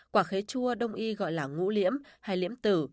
quả khế chua đông y gọi là ngũ liễm hay liễm tử